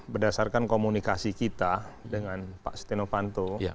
berdasarkan komunikasi kita dengan pak steno panto